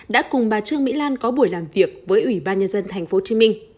đã cùng bà trương mỹ lan có buổi làm việc với ủy ban nhân dân tp hcm